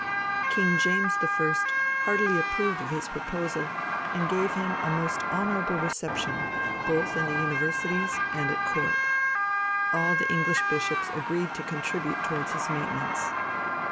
King James I. heartily approved of his proposal, and gave him a most honourable reception, both in the Universities and at Court. All the English bishops agreed to contribute towards his maintenance.